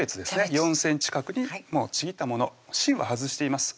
４ｃｍ角にちぎったもの芯は外しています